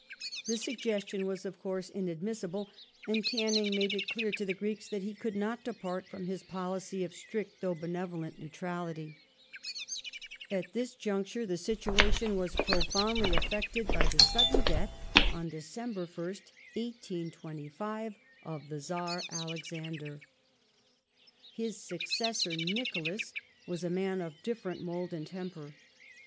The sugges tion was, of coui*se, inadmissible, and Canning made it clear to the Greeks that he could not depart from his policy of strict, though benevolent, neutrality. At this juncture the situation was profoundly affected by the Death of sudden death (Dec. 1st, 1825) of the Czar Alexander. His successor Alex^^r Nicholas was a man of different mould and temper.